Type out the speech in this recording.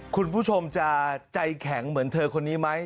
คุณผู้ชมจะใจแข็งเหมือนเธอคนนี้ไหม